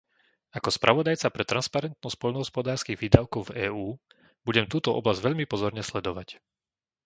Ako spravodajca pre transparentnosť poľnohospodárskych výdavkov v EÚ budem túto oblasť veľmi pozorne sledovať.